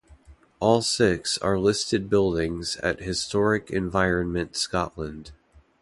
All six are listed buildings at Historic Environment Scotland.